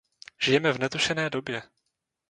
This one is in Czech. Žijeme v netušené době.